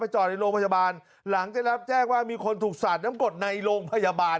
จอดในโรงพยาบาลหลังได้รับแจ้งว่ามีคนถูกสาดน้ำกดในโรงพยาบาล